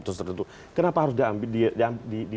tertentu kenapa harus di